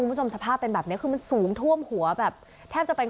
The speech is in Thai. สภาพเป็นแบบนี้คือมันสูงท่วมหัวแบบแทบจะเป็น